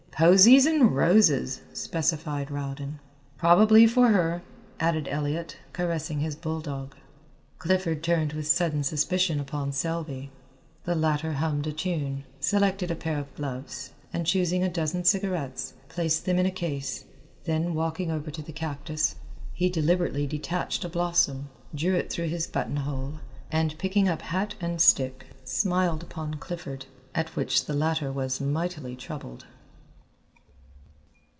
"Posies and roses," specified Rowden. "Probably for her," added Elliott, caressing his bulldog. Clifford turned with sudden suspicion upon Selby. The latter hummed a tune, selected a pair of gloves and, choosing a dozen cigarettes, placed them in a case. Then walking over to the cactus, he deliberately detached a blossom, drew it through his buttonhole, and picking up hat and stick, smiled upon Clifford, at which the latter was mightily troubled.